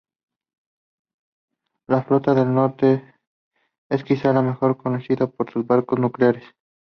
La Flota del Norte es quizás la mejor conocida por sus barcos nucleares.